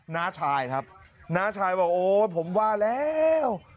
น้าชายครับน้าชายบอกโอ๊ยผมว่าแล้ว